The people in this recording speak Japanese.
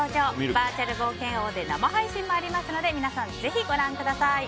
バーチャル冒険王で生配信もありますので皆さん、ぜひご覧ください。